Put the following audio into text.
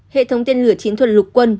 hệ thống tên lửa chiến thuật lục quân